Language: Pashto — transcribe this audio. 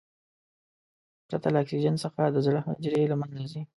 پرته له اکسیجن څخه د زړه حجرې له منځه ځي.